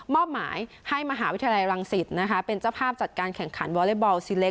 อบหมายให้มหาวิทยาลัยรังสิตนะคะเป็นเจ้าภาพจัดการแข่งขันวอเล็กบอลซีเล็ก